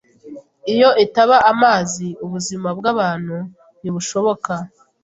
Iyo itaba amazi, ubuzima bwabantu ntibushoboka.